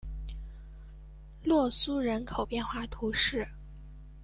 洛苏人口变化图示